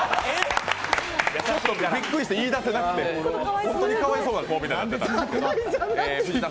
ちょっとびっくりして言い出せなくて本当にかわいそうな子みたいになってた。